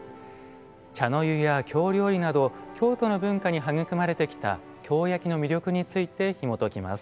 茶の湯や京料理など京都の文化に育まれてきた京焼の魅力についてひもときます。